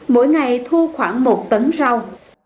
mỗi ngày thu khoảng một tấn rau